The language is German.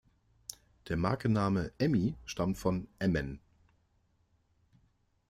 Der Markenname "Emmi" stammt von "Emmen".